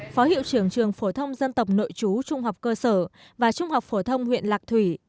phó hiệu trưởng trường phổ thông dân tộc nội chú trung học cơ sở và trung học phổ thông huyện lạc thủy